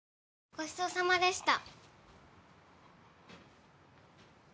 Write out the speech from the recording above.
ごちそうさまでした。